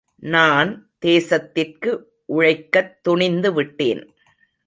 நான் தேசத்திற்கு உழைக்கத் துணிந்து விட்டேன்.